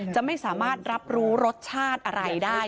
จะไม่สามารถรับรู้รสชาติอะไรได้